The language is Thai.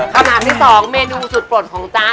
ข้อหมาที่สองเมนูสุดปลดของจ๊าย